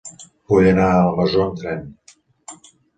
Vull anar a la Masó amb tren.